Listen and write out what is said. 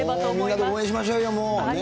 みんなで応援しましょうよ、もう。